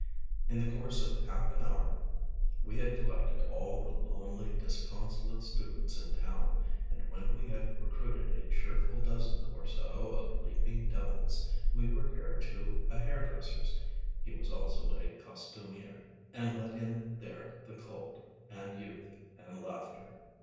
In the course of half an hour we had collected all the lonely, disconsolate students in town; and when we had recruited a cheerful dozen or so of leaping devils, we repaired to a hair dresser's—he was also a costumier—and let in there the cold, and youth, and laughter.